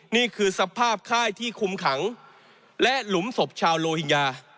นี่คือสภาพค่ายที่คุมขังและหลุมศพชาวโลหิงญา